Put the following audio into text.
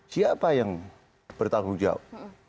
siapa yang bertanggung jawab